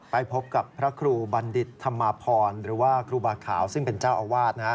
ไปพบกับพระครูบัณฑิตธรรมพรหรือว่าครูบาขาวซึ่งเป็นเจ้าอาวาส